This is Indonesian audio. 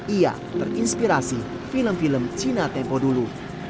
ia terinspirasi film film cina tempo dulu